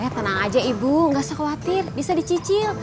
tenang aja ibu nggak sekhawatir bisa dicicil